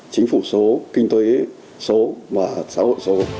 chính phủ số kinh tế số và xã hội số